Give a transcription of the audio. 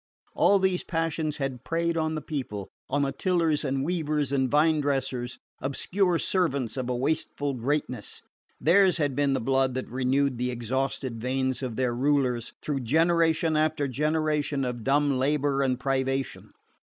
All these passions had preyed on the people, on the tillers and weavers and vine dressers, obscure servants of a wasteful greatness: theirs had been the blood that renewed the exhausted veins of their rulers, through generation after generation of dumb labour and privation.